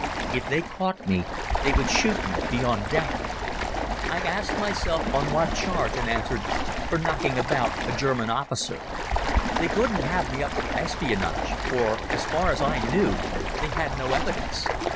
If they caught me they would shoot me beyond doubt. I asked myself on what charge, and answered, "For knocking about a German officer." They couldn't have me up for espionage, for as far as I knew they had no evidence.